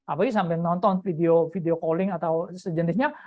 apalagi sampai nonton video calling atau sejenisnya